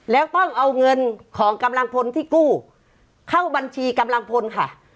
แล้วต้องเอาเงินของกำลังพลที่กู้เข้าบัญชีกำลังพลค่ะ